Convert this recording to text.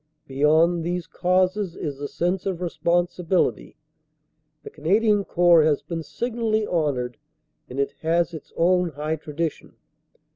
Beyond these causes is the sense of responsibility. The Canadian Corps has been signally honored and it has its own high tradition.